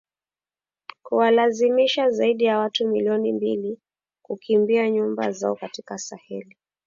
kuwalazimisha zaidi ya watu milioni mbili kukimbia nyumba zao katika Saheli